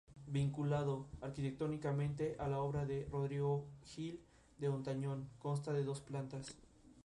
Contiene gran cantidad de peces, visibles desde las orillas del río.